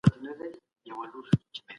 مغول د اسلام په اړه مثبت نظر لري.